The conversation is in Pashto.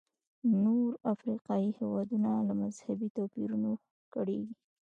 نور افریقایي هېوادونه له مذهبي توپیرونو کړېږي.